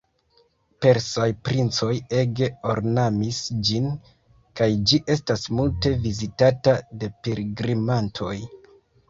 Persaj princoj ege ornamis ĝin, kaj ĝi estas multe vizitata de pilgrimantoj.